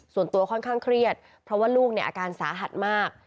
ส่วนตัวค่อนข้างเครียดเพราะว่าลูกเนี่ยอาการสาหัสมาก